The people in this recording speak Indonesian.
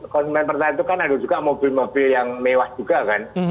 konsumen pertahanan itu kan ada juga mobil mobil yang mewah juga kan